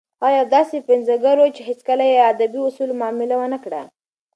هغه یو داسې پنځګر و چې هیڅکله یې په ادبي اصولو معامله ونه کړه.